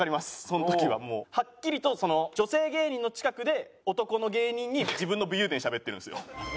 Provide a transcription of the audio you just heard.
その時はもうはっきりと女性芸人の近くで男の芸人に自分の武勇伝しゃべってるんですよ。